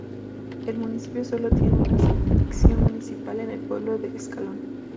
El municipio solo tiene una Sección municipal en el pueblo de Escalón.